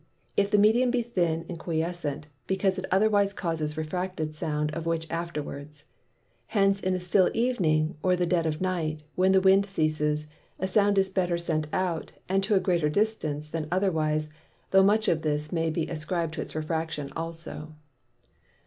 If the Medium be Thin and Quiescent, because it otherwise causes a Refracted Sound, of which afterwards. Hence in a still Evening, or the dead of the Night (when the Wind ceases) a Sound is better sent out, and to a greater distance than otherwise, tho' much of this may be ascrib'd to its Refraction also.